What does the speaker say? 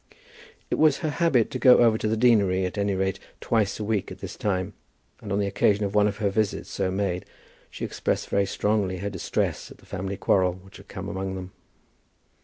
It was her habit to go over to the deanery at any rate twice a week at this time, and on the occasion of one of the visits so made, she expressed very strongly her distress at the family quarrel which had come among them.